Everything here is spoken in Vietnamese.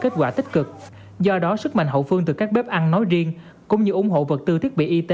kết quả tích cực do đó sức mạnh hậu phương từ các bếp ăn nói riêng cũng như ủng hộ vật tư thiết